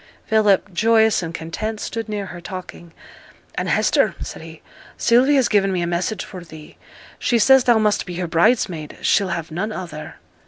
Philip, joyous and content, stood near her talking. 'And, Hester,' said he, 'Sylvie has given me a message for thee she says thou must be her bridesmaid she'll have none other.'